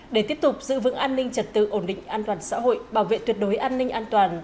để tiếp tục giữ vững an ninh trật tự ổn định an toàn xã hội bảo vệ tuyệt đối an ninh an toàn